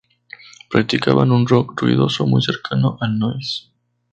Practicaban un rock ruidoso muy cercano al noise.